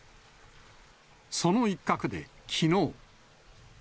その一角で、きのう。